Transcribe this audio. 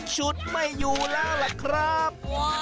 ชุดไม่อยู่แล้วล่ะครับ